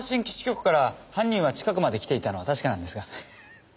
基地局から犯人は近くまで来ていたのは確かなのですが。